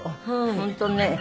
本当ね。